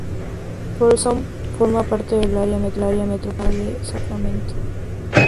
Folsom forma parte del área metropolitana de Sacramento.